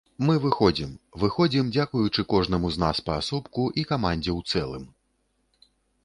Мы выходзім, выходзім дзякуючы кожнаму з нас паасобку і камандзе ў цэлым.